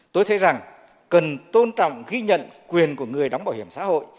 tôi thấy rằng cần tôn trọng ghi nhận quyền của người đóng bảo hiểm xã hội